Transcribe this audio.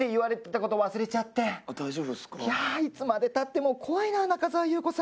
いつまで経っても怖いな中澤裕子さん。